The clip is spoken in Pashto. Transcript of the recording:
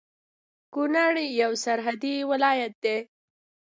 کونړ يو سرحدي ولايت دی